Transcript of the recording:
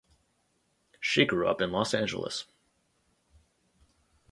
She grew up in Los Angeles.